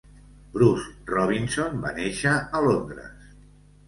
Bruce Robinson va néixer a Londres.